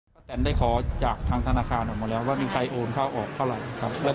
ของบัญชีประแตนก็คือข้อทวง